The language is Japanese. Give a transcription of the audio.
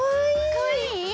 かわいい？